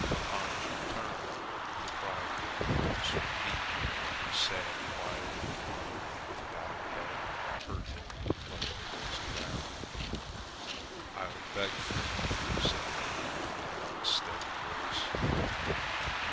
Upon his return, the cry of the little ones for meat, the sad quiet of the mother with bowed head, hurt him like a poisoned arrow wound. "I'll beg meat for you!" said he in an unsteady voice.